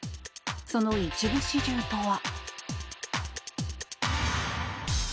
その一部始終とは。